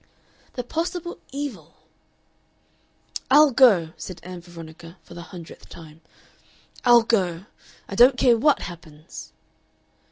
The possible evil! "I'll go," said Ann Veronica for the hundredth time. "I'll go. I don't care WHAT happens."